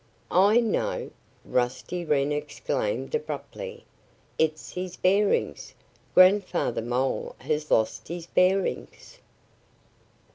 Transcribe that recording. "I know!" Rusty Wren exclaimed abruptly. "It's his bearings! Grandfather Mole has lost his bearings!"